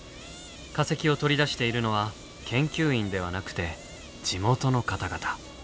化石を取り出しているのは研究員ではなくて地元の方々。